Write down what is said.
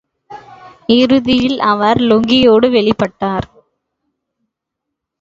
இறுதியில் அவர் லுங்கியோடு, வெளிப்பட்டார்.